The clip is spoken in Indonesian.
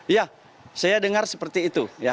iya saya dengar seperti itu